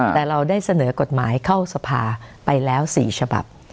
แต่เราได้เสนอกฎหมายเข้าสภาไปแล้ว๔ฉบับ